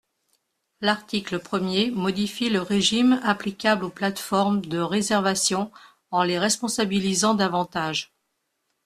L’article premier modifie le régime applicable aux plateformes de réservation en les responsabilisant davantage.